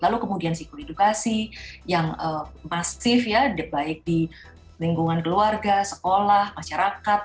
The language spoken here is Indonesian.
lalu kemudian sikul edukasi yang masif ya baik di lingkungan keluarga sekolah masyarakat